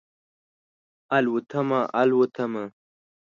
الوتمه، الوتمه